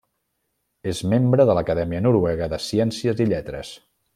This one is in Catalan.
És membre de l'Acadèmia Noruega de Ciències i Lletres.